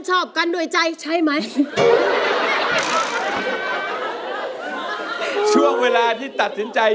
ตัดสินใจให้ดีแล้วตัดสินใจ